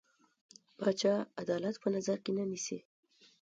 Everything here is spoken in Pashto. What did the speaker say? پاچا عدالت په نظر کې نه نيسي.